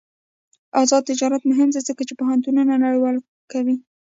آزاد تجارت مهم دی ځکه چې پوهنتونونه نړیوال کوي.